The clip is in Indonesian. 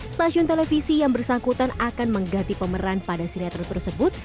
stasiun televisi yang bersangkutan akan mengganti pemeran pada sinetron tersebut